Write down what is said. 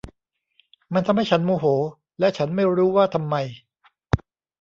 มันทำให้ฉันโมโห และฉันไม่รู้ว่าทำไม